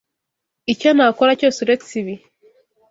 Icyo nakora cyose uretse ibi.